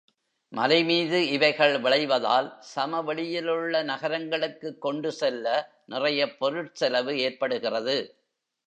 மலை மீது இவைகள் விளைவதால் சமவெளியிலுள்ள நகரங்களுக்குக் கொண்டு செல்ல நிறையப் பொருட் செலவு ஏற்படுகிறது.